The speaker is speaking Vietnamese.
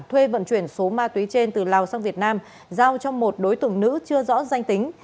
thuê vận chuyển số ma túy trên từ lào sang việt nam giao cho một đối tượng nữ chưa rõ danh tính